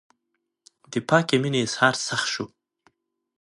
د پاکې مینې اظهار سخت شو.